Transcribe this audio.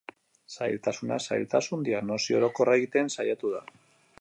Zailtasunak zailtasun, diagnosi orokorra egiten saiatu da.